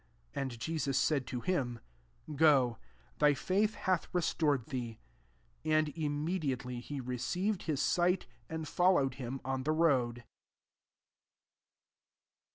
5S And Jesus said ti^ him, << Go : thy faith hath res^ tored thee." And immediately he received his sight, and fd lowed him on the road.